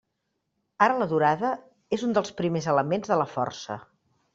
Ara, la durada és un dels primers elements de la força.